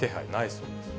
そうです。